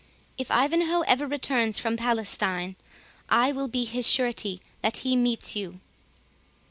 If Ivanhoe ever returns from Palestine, I will be his surety that he meets you."